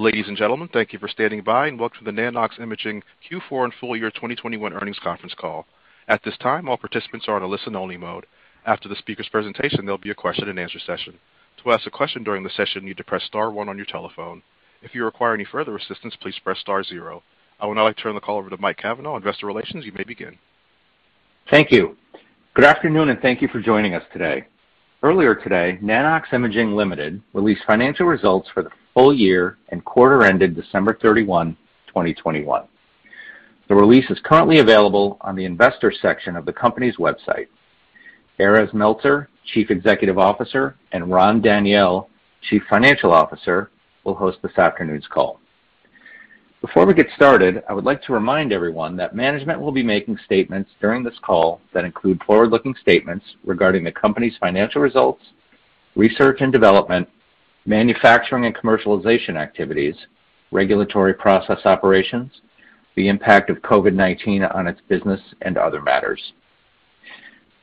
Ladies and gentlemen, thank you for standing by, and welcome to the Nano-X Imaging Q4 and full-year 2021 earnings conference call. At this time, all participants are in a listen-only mode. After the speaker's presentation, there'll be a question and answer session. To ask a question during the session, you need to press star one on your telephone. If you require any further assistance, please press star zero. I would now like to turn the call over to Mike Cavanaugh, Investor Relations. You may begin. Thank you. Good afternoon, and thank you for joining us today. Earlier today, Nano-X Imaging Limited released financial results for the full-year and quarter ended December 31, 2021. The release is currently available on the Investor section of the company's website. Erez Meltzer, Chief Executive Officer, and Ran Daniel, Chief Financial Officer, will host this afternoon's call. Before we get started, I would like to remind everyone that management will be making statements during this call that include forward-looking statements regarding the company's financial results, research and development, manufacturing and commercialization activities, regulatory process operations, the impact of COVID-19 on its business and other matters.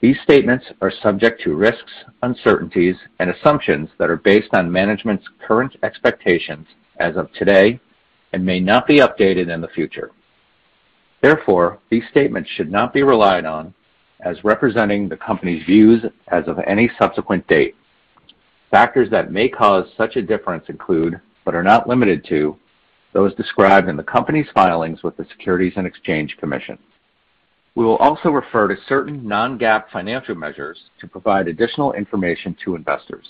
These statements are subject to risks, uncertainties and assumptions that are based on management's current expectations as of today and may not be updated in the future. Therefore, these statements should not be relied on as representing the company's views as of any subsequent date. Factors that may cause such a difference include, but are not limited to, those described in the company's filings with the Securities and Exchange Commission. We will also refer to certain non-GAAP financial measures to provide additional information to investors.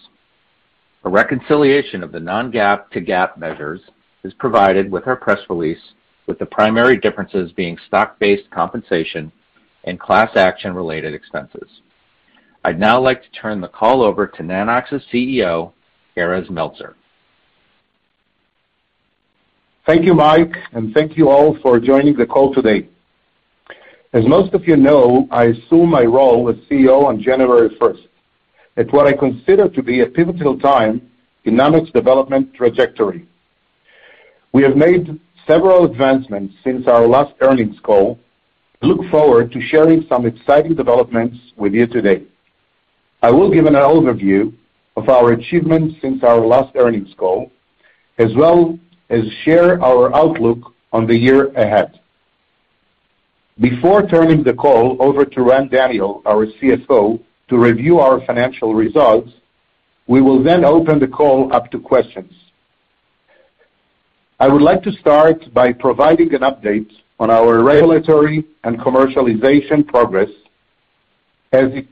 A reconciliation of the non-GAAP to GAAP measures is provided with our press release, with the primary differences being stock-based compensation and class action-related expenses. I'd now like to turn the call over to Nanox's CEO, Erez Meltzer. Thank you, Mike, and thank you all for joining the call today. As most of you know, I assumed my role as CEO on January 1st, at what I consider to be a pivotal time in Nanox's development trajectory. We have made several advancements since our last earnings call. I look forward to sharing some exciting developments with you today. I will give an overview of our achievements since our last earnings call, as well as share our outlook on the year ahead. Before turning the call over to Ran Daniel, our CFO, to review our financial results, we will then open the call up to questions. I would like to start by providing an update on our regulatory and commercialization progress as it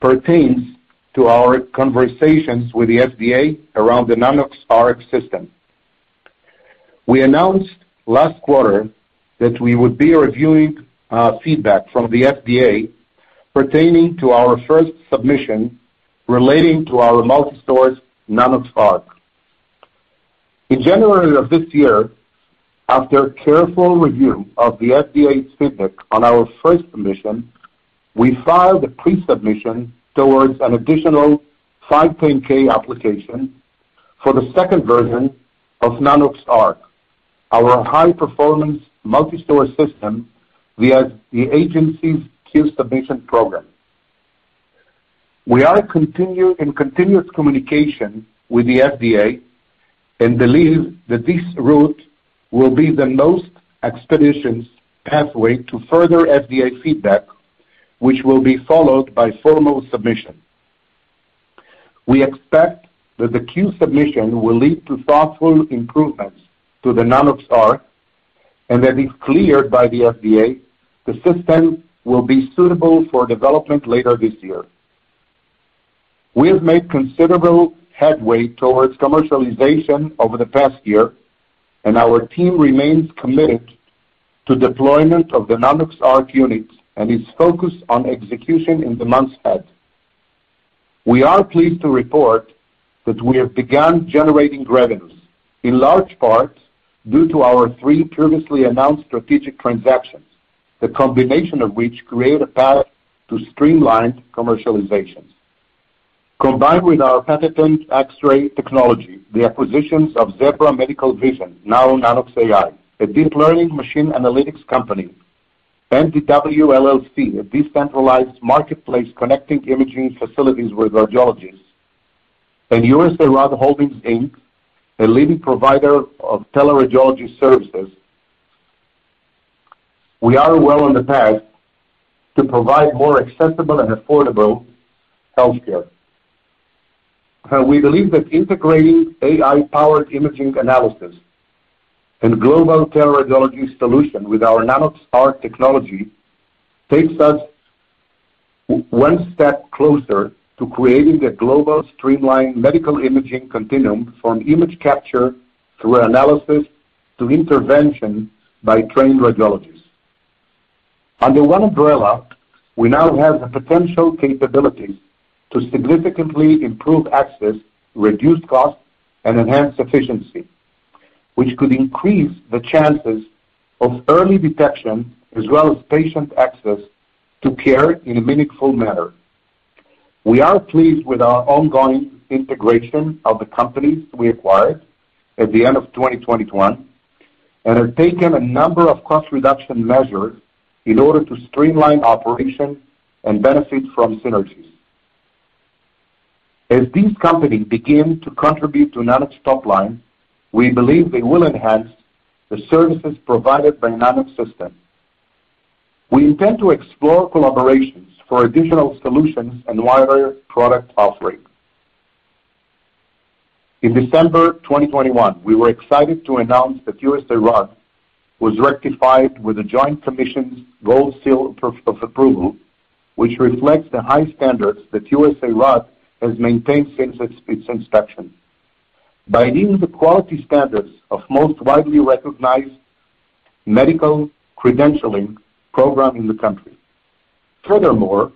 pertains to our conversations with the FDA around the Nanox.ARC system. We announced last quarter that we would be reviewing feedback from the FDA pertaining to our first submission relating to our multi-source Nanox.ARC. In January of this year, after careful review of the FDA's feedback on our first submission, we filed a pre-submission towards an additional 510(k) application for the second version of Nanox.ARC, our high-performance multi-source system via the agency's Q-Submission program. We are in continuous communication with the FDA and believe that this route will be the most expeditious pathway to further FDA feedback, which will be followed by formal submission. We expect that the Q-Submission will lead to thoughtful improvements to the Nanox.ARC and that if cleared by the FDA, the system will be suitable for development later this year. We have made considerable headway towards commercialization over the past year, and our team remains committed to deployment of the Nanox.ARC unit and is focused on execution in the months ahead. We are pleased to report that we have begun generating revenues, in large part due to our three previously announced strategic transactions, the combination of which create a path to streamlined commercialization. Combined with our patented X-ray technology, the acquisitions of Zebra Medical Vision, now Nanox.AI, a deep-learning medical imaging analytics company, MDW LLC, a decentralized marketplace connecting imaging facilities with radiologists, and USARAD Holdings, Inc., a leading provider of teleradiology services, we are well on the path to provide more accessible and affordable healthcare. We believe that integrating AI-powered imaging analysis and global teleradiology solution with our Nanox.ARC technology takes us one step closer to creating a global streamlined medical imaging continuum from image capture through analysis to intervention by trained radiologists. Under one umbrella, we now have the potential capabilities to significantly improve access, reduce costs, and enhance efficiency, which could increase the chances of early detection as well as patient access to care in a meaningful manner. We are pleased with our ongoing integration of the companies we acquired at the end of 2021 and have taken a number of cost reduction measures in order to streamline operation and benefit from synergies. As these companies begin to contribute to Nanox top line, we believe they will enhance the services provided by Nanox systems. We intend to explore collaborations for additional solutions and wider product offering. In December 2021, we were excited to announce that USARAD received the Joint Commission's Gold Seal of Approval, which reflects the high standards that USARAD has maintained since its inspection by meeting the quality standards of the most widely recognized medical credentialing program in the country. Furthermore,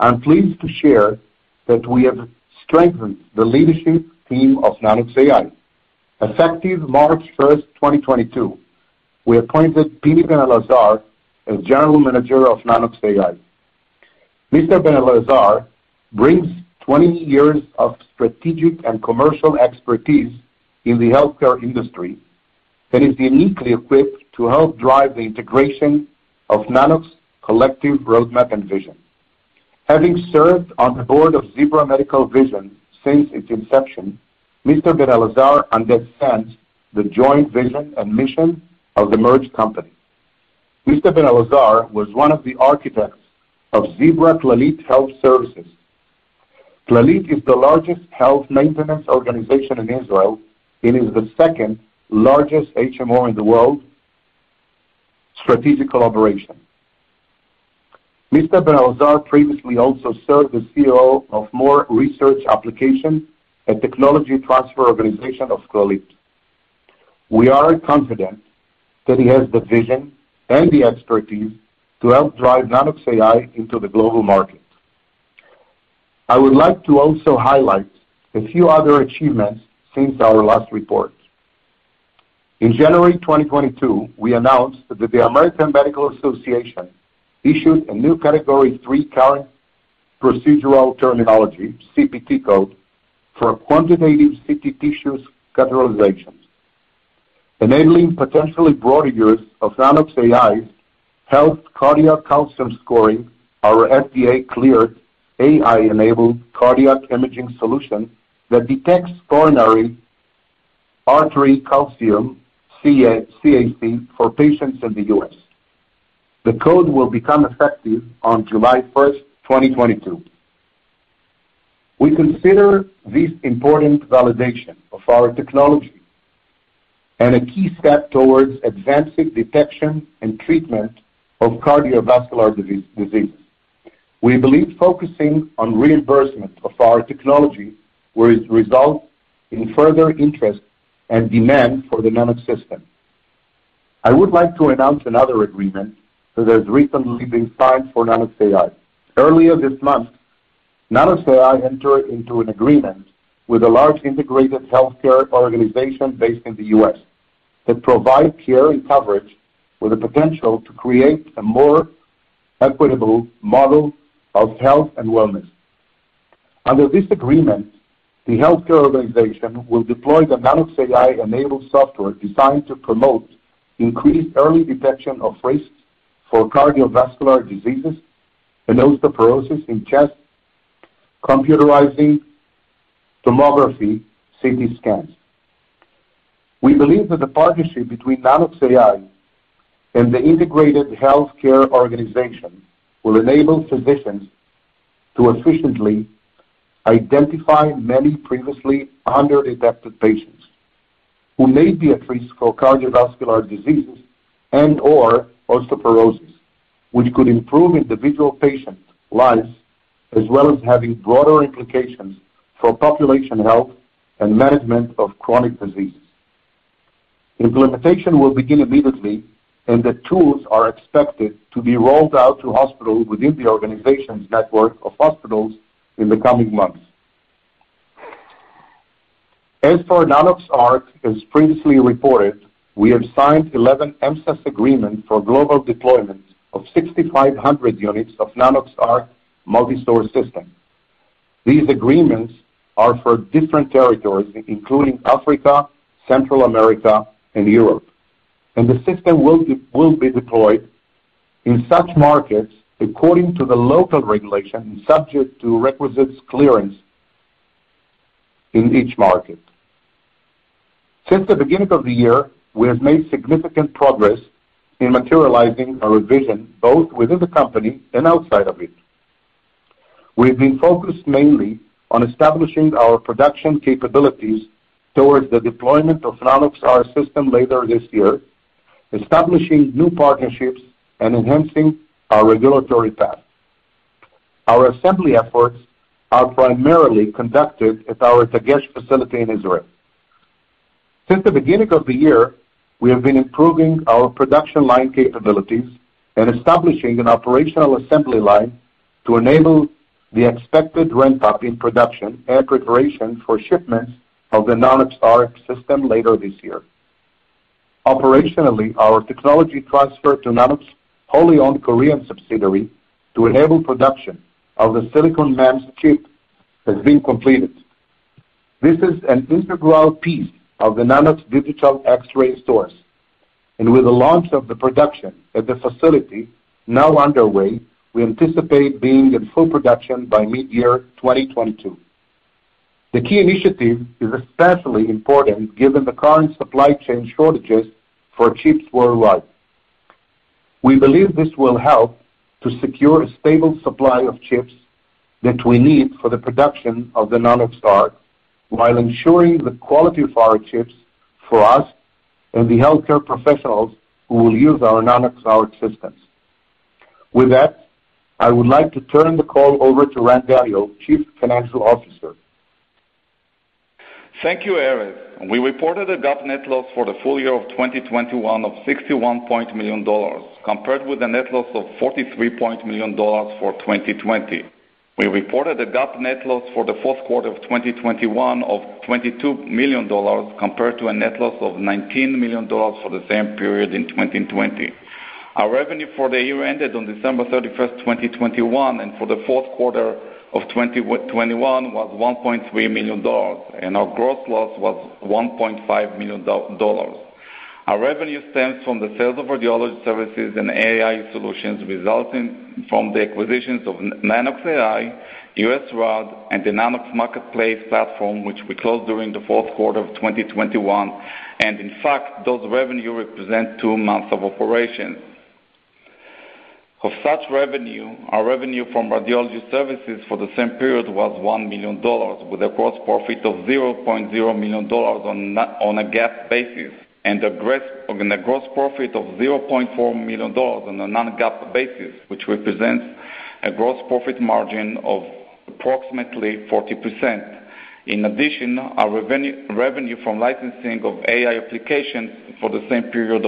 I'm pleased to share that we have strengthened the leadership team of Nanox.AI. Effective March 1, 2022, we appointed Pini Ben Elazar as General Manager of Nanox.AI. Mr. Ben Elazar brings 20 years of strategic and commercial expertise in the healthcare industry, and is uniquely equipped to help drive the integration of Nanox's collective roadmap and vision. Having served on the board of Zebra Medical Vision since its inception, Mr. Ben Elazar understands the joint vision and mission of the merged company. Mr. Ben Elazar was one of the architects of Zebra-Clalit Health Services. Clalit is the largest health maintenance organization in Israel and is the second-largest HMO in the world strategic collaboration. Mr. Ben Elazar previously also served as CEO of Mor Research Applications, a technology transfer organization of Clalit. We are confident that he has the vision and the expertise to help drive Nanox.AI into the global market. I would like to also highlight a few other achievements since our last report. In January 2022, we announced that the American Medical Association issued a new Category III Current Procedural Terminology (CPT) code for quantitative CT tissue categorizations, enabling potentially broad use of Nanox.AI's HealthCCSng, our FDA-cleared AI-enabled cardiac imaging solution that detects coronary artery calcium (CAC) for patients in the U.S. The code will become effective on July 1, 2022. We consider this important validation of our technology and a key step towards advancing detection and treatment of cardiovascular disease. We believe focusing on reimbursement of our technology will result in further interest and demand for the Nanox system. I would like to announce another agreement that has recently been signed for Nanox.AI. Earlier this month, Nanox.AI entered into an agreement with a large integrated healthcare organization based in the U.S. that provides care and coverage with the potential to create a more equitable model of health and wellness. Under this agreement, the healthcare organization will deploy the Nanox.AI-enabled software designed to promote increased early detection of risks for cardiovascular diseases and osteoporosis in chest computerized tomography CT scans. We believe that the partnership between Nanox.AI and the integrated healthcare organization will enable physicians to efficiently identify many previously under-detected patients who may be at risk for cardiovascular diseases and/or osteoporosis, which could improve individual patients' lives, as well as having broader implications for population health and management of chronic diseases. Implementation will begin immediately, and the tools are expected to be rolled out to hospitals within the organization's network of hospitals in the coming months. As for Nanox.ARC, as previously reported, we have signed 11 MSAs agreement for global deployment of 6,500 units of Nanox.ARC multi-source system. These agreements are for different territories, including Africa, Central America, and Europe. The system will be deployed in such markets according to the local regulation, subject to requisite clearance in each market. Since the beginning of the year, we have made significant progress in materializing our vision, both within the company and outside of it. We've been focused mainly on establishing our production capabilities towards the deployment of Nanox.ARC system later this year, establishing new partnerships, and enhancing our regulatory path. Our assembly efforts are primarily conducted at our Dagesh facility in Israel. Since the beginning of the year, we have been improving our production line capabilities and establishing an operational assembly line to enable the expected ramp-up in production and preparation for shipments of the Nanox.ARC system later this year. Operationally, our technology transfer to Nanox wholly-owned Korean subsidiary to enable production of the silicon MEMS chip has been completed. This is an integral piece of the Nanox digital X-ray source. With the launch of the production at the facility now underway, we anticipate being in full production by mid-year 2022. The key initiative is especially important given the current supply chain shortages for chips worldwide. We believe this will help to secure a stable supply of chips that we need for the production of the Nanox.ARC, while ensuring the quality of our chips for us and the healthcare professionals who will use our Nanox.ARC systems. With that, I would like to turn the call over to Ran Daniel, Chief Financial Officer. Thank you, Erez. We reported a GAAP net loss for the full-year of 2021 of $61 million, compared with a net loss of $43 million for 2020. We reported a GAAP net loss for the fourth quarter of 2021 of $22 million compared to a net loss of $19 million for the same period in 2020. Our revenue for the year ended on December 31, 2021, and for the fourth quarter of 2021 was $1.3 million, and our gross loss was $1.5 million dollars. Our revenue stems from the sales of radiology services and AI solutions resulting from the acquisitions of Nanox.AI, USARAD, and the Nanox.MARKETPLACE platform, which we closed during the fourth quarter of 2021. In fact, those revenue represent two months of operation. Of such revenue, our revenue from radiology services for the same period was $1 million, with a gross profit of $0.0 million on a GAAP basis, and a gross profit of $0.4 million on a non-GAAP basis, which represents a gross profit margin of approximately 40%. In addition, our revenue from licensing of AI applications for the same period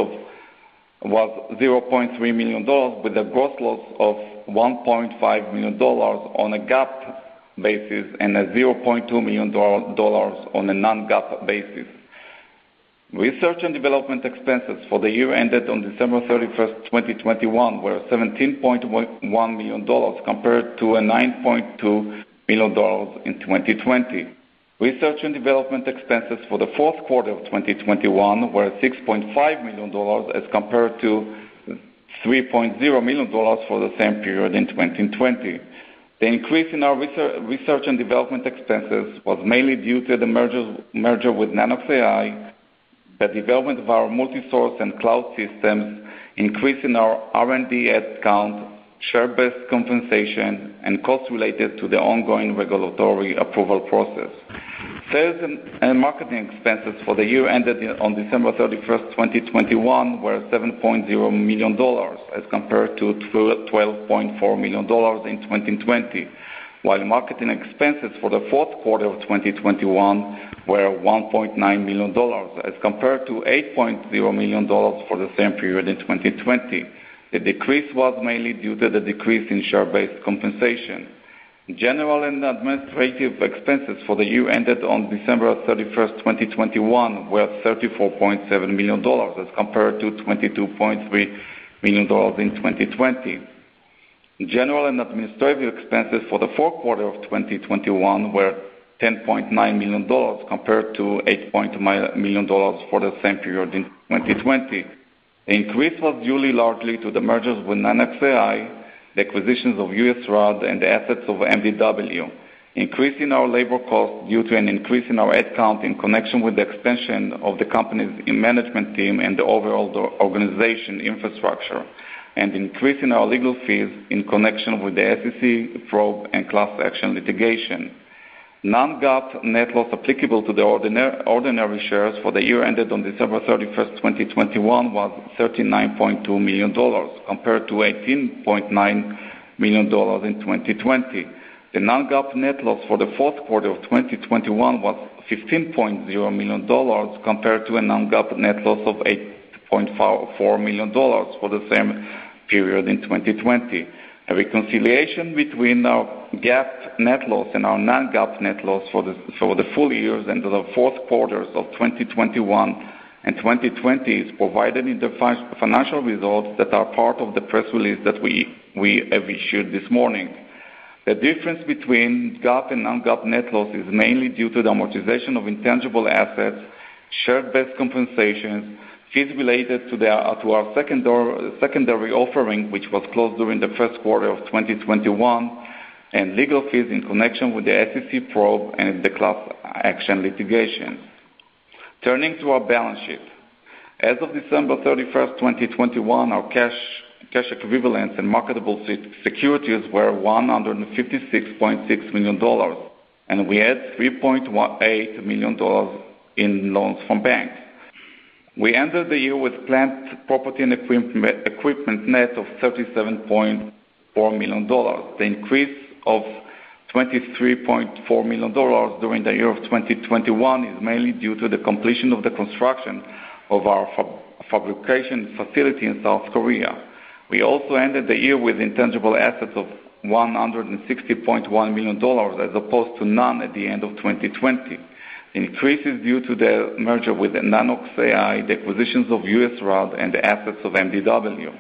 was $0.3 million with a gross loss of $1.5 million on a GAAP basis and a $0.2 million on a non-GAAP basis. Research and development expenses for the year ended December 31, 2021, were $17.1 million compared to $9.2 million in 2020. Research and development expenses for the fourth quarter of 2021 were $6.5 million as compared to $3.0 million for the same period in 2020. The increase in our research and development expenses was mainly due to the merger with Nanox.AI, the development of our multi-source and cloud systems, increase in our R&D head count, share-based compensation, and costs related to the ongoing regulatory approval process. Sales and marketing expenses for the year ended on December 31, 2021, were $7.0 million, as compared to $12.4 million in 2020. While marketing expenses for the fourth quarter of 2021 were $1.9 million as compared to $8.0 million for the same period in 2020. The decrease was mainly due to the decrease in share-based compensation. General and administrative expenses for the year ended on December 31, 2021, were $34.7 million as compared to $22.3 million in 2020. General and administrative expenses for the fourth quarter of 2021 were $10.9 million compared to $8 million for the same period in 2020. The increase was due largely to the mergers with Nanox.AI, the acquisitions of USARAD, and the assets of MDW, increase in our labor cost due to an increase in our head count in connection with the expansion of the company's management team and the overall organization infrastructure, and increase in our legal fees in connection with the SEC probe and class action litigation. Non-GAAP net loss applicable to the ordinary shares for the year ended on December 31, 2021, was $39.2 million compared to $18.9 million in 2020. The non-GAAP net loss for the fourth quarter of 2021 was $15.0 million compared to a non-GAAP net loss of $8.4 million for the same period in 2020. A reconciliation between our GAAP net loss and our non-GAAP net loss for the full-years and the fourth quarters of 2021 and 2020 is provided in the financial results that are part of the press release that we have issued this morning. The difference between GAAP and non-GAAP net loss is mainly due to the amortization of intangible assets, share-based compensations, fees related to our secondary offering, which was closed during the first quarter of 2021, and legal fees in connection with the SEC probe and the class action litigation. Turning to our balance sheet. As of December 31, 2021, our cash equivalents and marketable securities were $156.6 million, and we had $3.18 million in loans from banks. We ended the year with plant, property and equipment net of $37.4 million. The increase of $23.4 million during the year of 2021 is mainly due to the completion of the construction of our fabrication facility in South Korea. We also ended the year with intangible assets of $160.1 million, as opposed to none at the end of 2020. The increase is due to the merger with Nanox.AI, the acquisitions of USARAD, and the assets of MDW.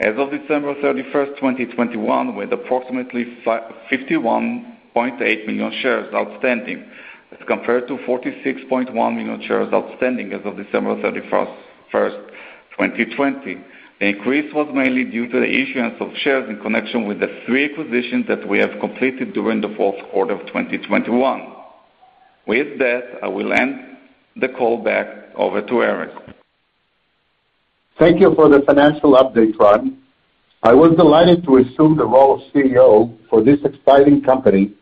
As of December 31, 2021, with approximately 51.8 million shares outstanding as compared to 46.1 million shares outstanding as of December 31, 2020. The increase was mainly due to the issuance of shares in connection with the three acquisitions that we have completed during the fourth quarter of 2021. With that, I will end the call back over to Erez. Thank you for the financial update, Ran. I was delighted to assume the role of CEO for this exciting company,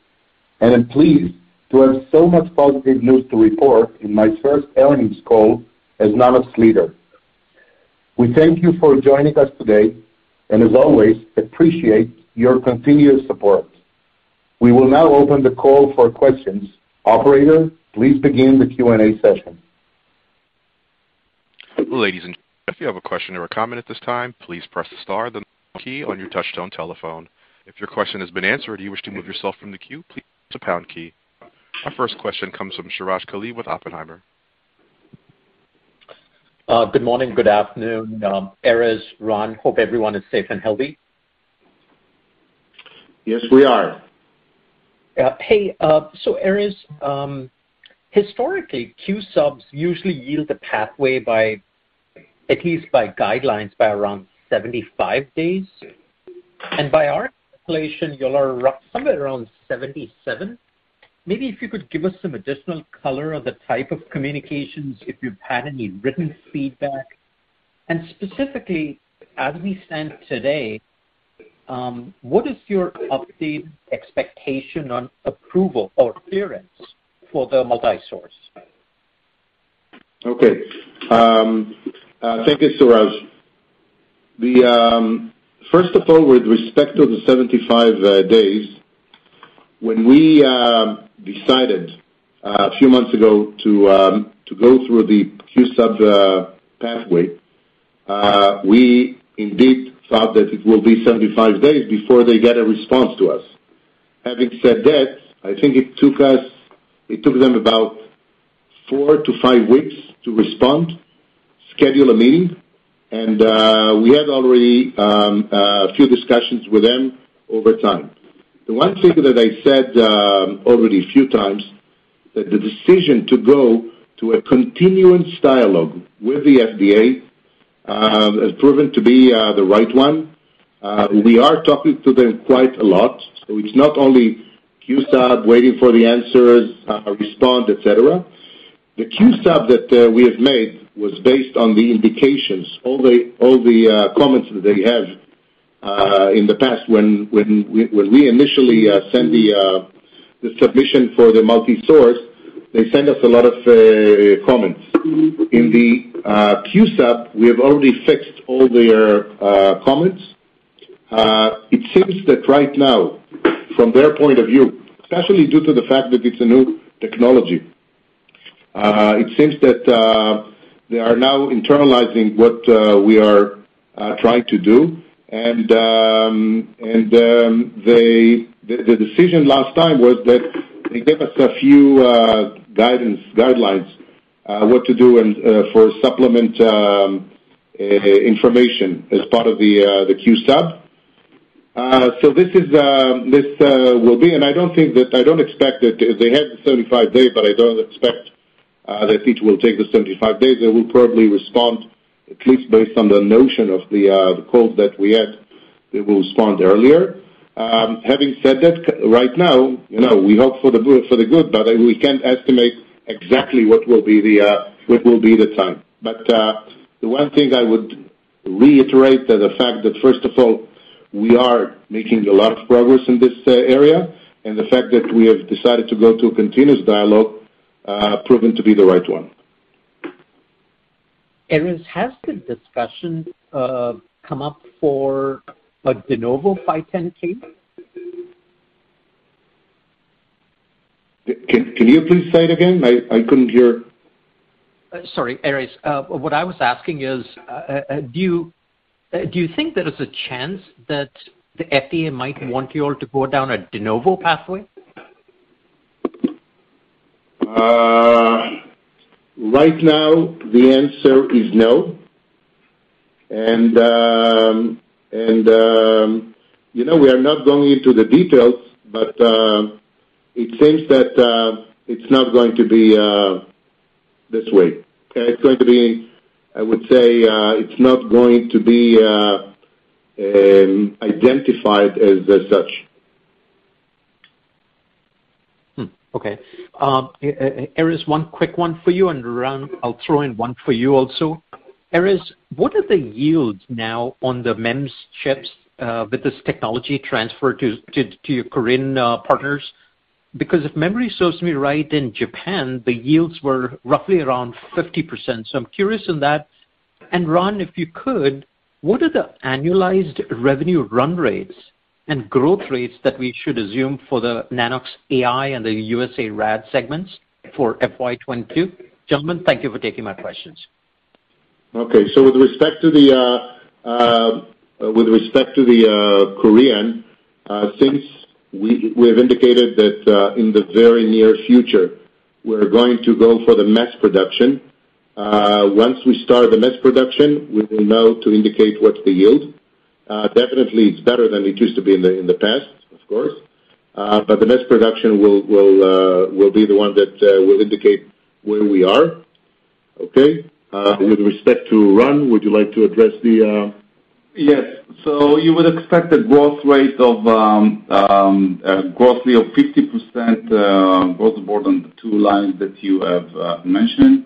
and I'm pleased to have so much positive news to report in my first earnings call as Nanox leader. We thank you for joining us today and as always, appreciate your continued support. We will now open the call for questions. Operator, please begin the Q&A session. Our first question comes from Suraj Kalia with Oppenheimer. Good morning, good afternoon, Erez, Ran. Hope everyone is safe and healthy. Yes, we are. Erez, historically, Q-Subs usually yield a pathway by at least by guidelines by around 75 days. By our calculation, you all are somewhere around 77. Maybe if you could give us some additional color on the type of communications, if you've had any written feedback. Specifically, as we stand today, what is your updated expectation on approval or clearance for the multi-source? Okay. Thank you, Suraj. The first of all, with respect to the 75 days, when we decided a few months ago to go through the Q-Sub pathway, we indeed thought that it will be 75 days before they get a response to us. Having said that, I think it took them about four to five weeks to respond, schedule a meeting, and we had already a few discussions with them over time. The one thing that I said already a few times, that the decision to go to a continuous dialogue with the FDA has proven to be the right one. We are talking to them quite a lot, so it's not only Q-Sub waiting for the answers, respond, et cetera. The Q-Sub that we have made was based on the indications, all the comments that they have in the past when we initially sent the submission for the multi-source. They sent us a lot of comments. In the Q-Sub, we have already fixed all their comments. It seems that right now, from their point of view, especially due to the fact that it's a new technology, it seems that they are now internalizing what we are trying to do. The decision last time was that they gave us a few guidelines what to do and for supplemental information as part of the Q-Sub. This will be, and I don't think that I don't expect that they had the 75-day, but I don't expect that it will take the 75 days. They will probably respond, at least based on the notion of the call that we had, they will respond earlier. Having said that, right now, you know, we hope for the good, but we can't estimate exactly what will be the time. The one thing I would reiterate that the fact that, first of all, we are making a lot of progress in this area, and the fact that we have decided to go to a continuous dialogue proven to be the right one. Erez, has the discussion come up for a De Novo 510(k) case? Can you please say it again? I couldn't hear. Sorry, Erez. What I was asking is, do you think there is a chance that the FDA might want you all to go down a De Novo pathway? Right now, the answer is no. You know, we are not going into the details, but it seems that it's not going to be this way, okay? It's going to be, I would say, it's not going to be identified as such. Erez, one quick one for you, and Ran, I'll throw in one for you also. Erez, what are the yields now on the MEMS chips with this technology transfer to your Korean partners? Because if memory serves me right, in Japan, the yields were roughly around 50%. I'm curious on that. Ran, if you could, what are the annualized revenue run rates and growth rates that we should assume for the Nanox.AI and the USARAD segments for FY 2022? Gentlemen, thank you for taking my questions. Okay. With respect to the Korean, since we have indicated that in the very near future, we're going to go for the mass production. Once we start the mass production, we will know to indicate what's the yield. Definitely it's better than it used to be in the past, of course. But the mass production will be the one that will indicate where we are. Okay? With respect to Ran, would you like to address the? Yes. You would expect the growth rate of roughly 50%, both based on the two lines that you have mentioned.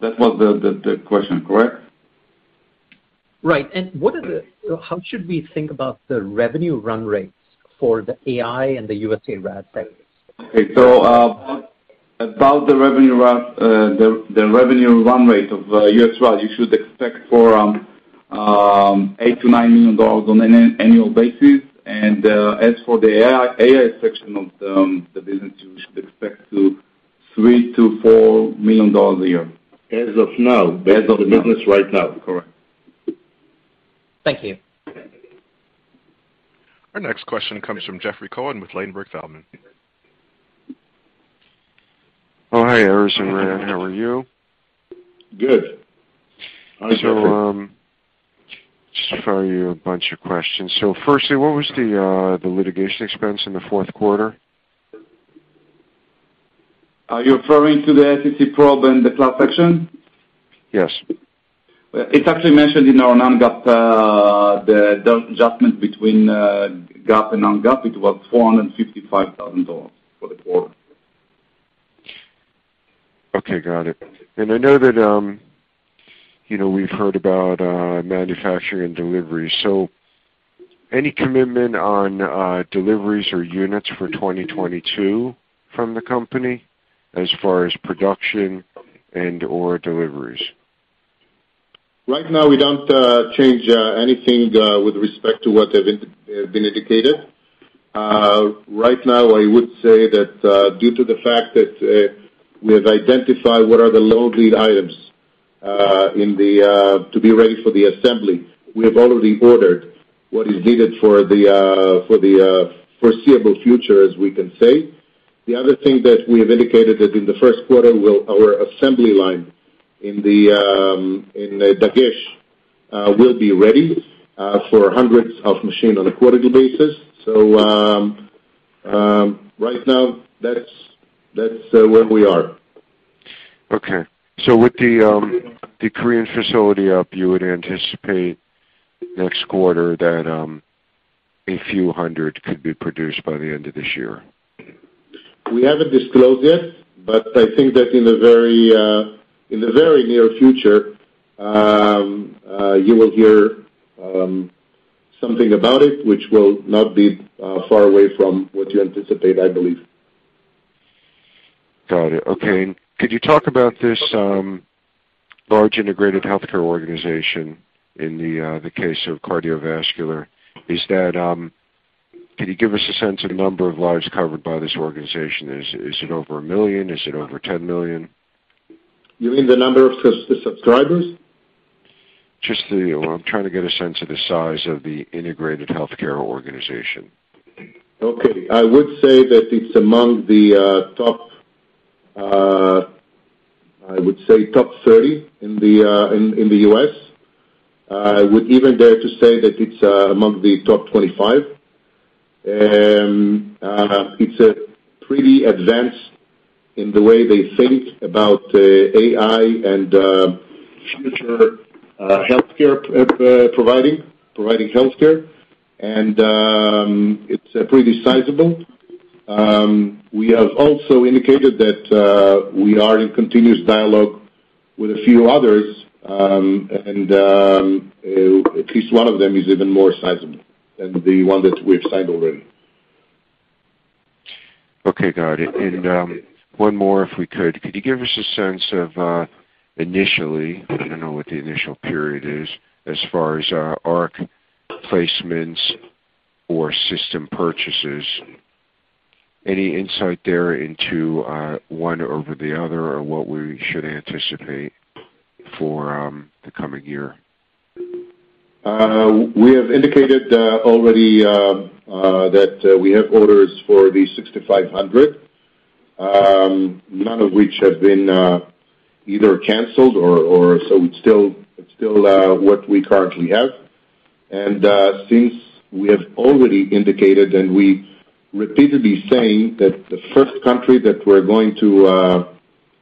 That was the question, correct? Right. How should we think about the revenue run rates for the AI and the USARAD business? About the revenue run rate of USARAD, you should expect $8 million-$9 million on an annual basis. As for the AI section of the business, you should expect $3 million-$4 million a year. As of now, based on the business right now. Correct. Thank you. Our next question comes from Jeffrey Cohen with Ladenburg Thalmann. Oh, hi, Erez and Ran. How are you? Good. Just throw you a bunch of questions. Firstly, what was the litigation expense in the fourth quarter? Are you referring to the SEC probe and the class action? Yes. It's actually mentioned in our non-GAAP, the adjustment between GAAP and non-GAAP. It was $455,000 for the quarter. Okay, got it. I know that, you know, we've heard about manufacturing and delivery. Any commitment on deliveries or units for 2022 from the company as far as production and/or deliveries? Right now, we don't change anything with respect to what have been indicated. Right now, I would say that due to the fact that we have identified what are the long lead items in order to be ready for the assembly, we have already ordered what is needed for the foreseeable future, as we can say. The other thing that we have indicated that in the first quarter our assembly line in Dagesh will be ready for hundreds of machines on a quarterly basis. Right now, that's where we are. With the Korean facility up, you would anticipate next quarter that a few hundred could be produced by the end of this year. We haven't disclosed yet, but I think that in the very near future, you will hear something about it, which will not be far away from what you anticipate, I believe. Got it. Okay. Could you talk about this large integrated healthcare organization in the case of cardiovascular? Can you give us a sense of the number of lives covered by this organization? Is it over a million? Is it over 10 million? You mean the number of subscribers? Just the, you know, I'm trying to get a sense of the size of the integrated healthcare organization. Okay. I would say that it's among the top 30 in the U.S. I would even dare to say that it's among the top 25. It's pretty advanced in the way they think about AI and future healthcare providing healthcare, and it's pretty sizable. We have also indicated that we are in continuous dialogue with a few others, and at least one of them is even more sizable than the one that we've signed already. Okay, got it. One more, if we could. Could you give us a sense of, initially, I don't know what the initial period is, as far as, Nanox.ARC placements or system purchases. Any insight there into, one over the other or what we should anticipate for, the coming year? We have indicated already that we have orders for the 6,500, none of which have been either canceled or so it's still what we currently have. Since we have already indicated and we repeatedly saying that the first country that we're going to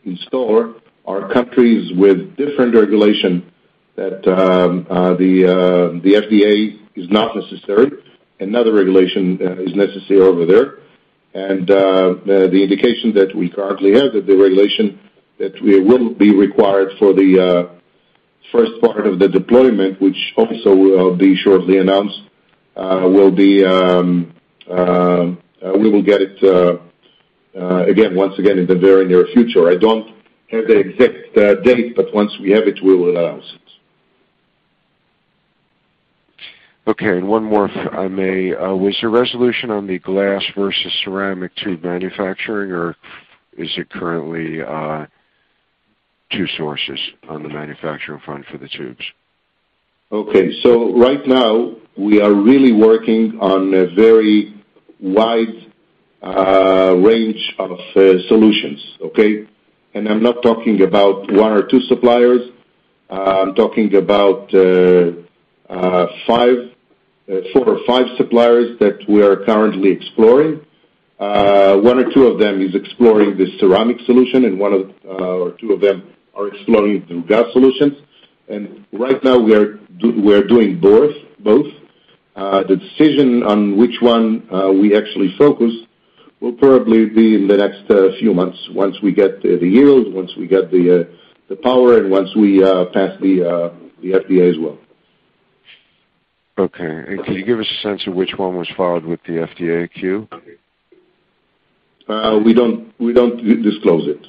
install are countries with different regulation that the FDA is not necessary, another regulation is necessary over there. The indication that we currently have that the regulation that we will be required for the first part of the deployment, which also will be shortly announced, will be we will get it again once again in the very near future. I don't have the exact date, but once we have it, we will announce it. Okay. One more, if I may. Was there resolution on the glass versus ceramic tube manufacturing, or is it currently two sources on the manufacturer front for the tubes? Okay. Right now, we are really working on a very wide range of solutions, okay? I'm not talking about one or two suppliers. I'm talking about four or five suppliers that we are currently exploring. One or two of them is exploring the ceramic solution, and one or two of them are exploring some gas solutions. Right now we are doing both. The decision on which one we actually focus will probably be in the next few months once we get the yield, once we get the power, and once we pass the FDA as well. Okay. Can you give us a sense of which one was filed with the FDA Q-Sub? We don't disclose it.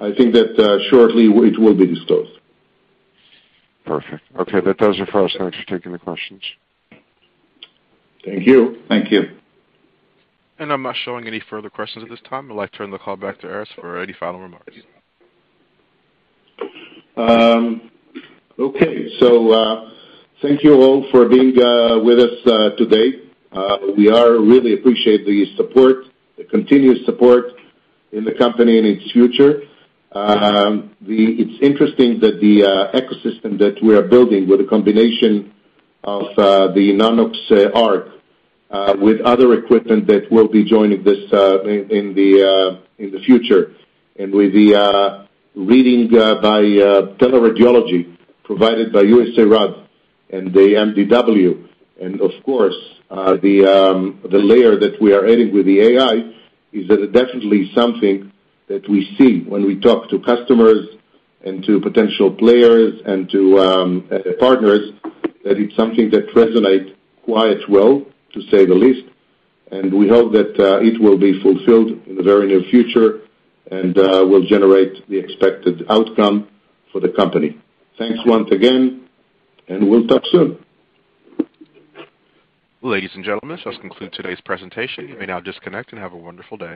I think that shortly it will be disclosed. Perfect. Okay, that does it for us. Thanks for taking the questions. Thank you. Thank you. I'm not showing any further questions at this time. I'd like to turn the call back to Erez for any final remarks. Okay. Thank you all for being with us today. We really appreciate the support, the continuous support in the company and its future. It's interesting that the ecosystem that we are building with a combination of the Nanox.ARC with other equipment that will be joining this in the future. With the reading by teleradiology provided by USARAD and the MDW. Of course, the layer that we are adding with the AI is definitely something that we see when we talk to customers and to potential players and to partners, that it's something that resonate quite well, to say the least. We hope that it will be fulfilled in the very near future and will generate the expected outcome for the company. Thanks once again, and we'll talk soon. Ladies and gentlemen, this does conclude today's presentation. You may now disconnect and have a wonderful day.